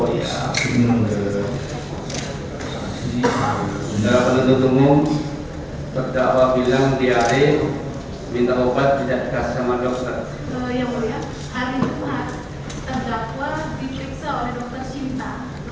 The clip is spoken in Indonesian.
yang lain hari itu tanggapan diperiksa oleh dokter sinta